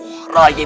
di saat kamu diusir